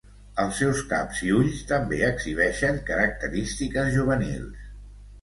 Els seus caps i ulls també exhibeixen característiques juvenils.